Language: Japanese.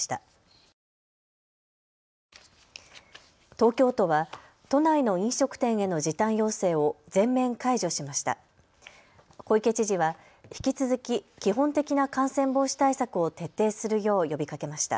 東京都は都内の飲食店への時短要請を全面解除しました。